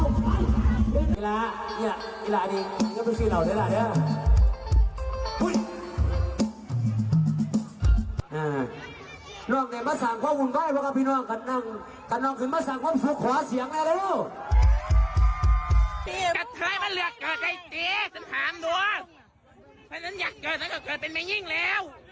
กระท้ายมันเหลือเกิดไอ้จิ๊กฉันถามดูถ้าฉันอยากเกิดฉันก็เกิดเป็นไม่ยิ่งแล้ว